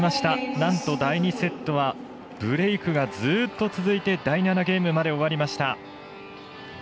なんと第２セットはブレークがずっと続いて第７ゲームまで終わりました。